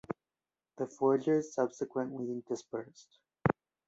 The forgers subsequently dispersed.